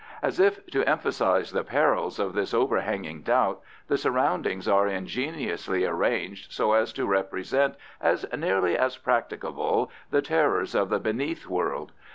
As if to emphasise the perils of this overhanging doubt the surroundings are ingeniously arranged so as to represent as nearly as practicable the terrors of the Beneath World.